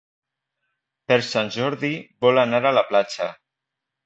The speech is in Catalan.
Per Sant Jordi vol anar a la platja.